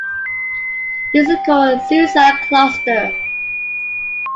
This is called a suicide cluster.